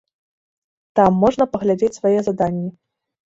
Там можна паглядзець свае заданні.